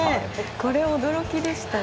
これは驚きでしたよ。